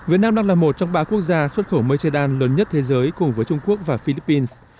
việt nam đang là một trong ba quốc gia xuất khẩu mây che đan lớn nhất thế giới cùng với trung quốc và philippines